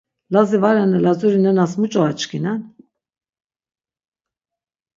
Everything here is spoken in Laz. Lazi va renna Lazuri nenas muç̌o açkinen?